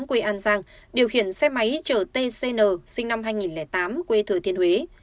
quê an giang điều khiển xe máy chở t c n sinh năm hai nghìn tám quê thừa thiên huế